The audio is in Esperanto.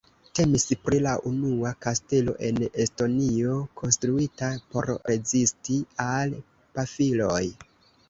Temis pri la unua kastelo en Estonio konstruita por rezisti al pafiloj.